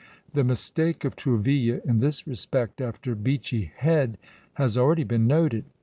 The mistake of Tourville in this respect after Beachy Head has already been noted.